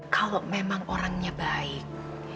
kalau memang orangnya baik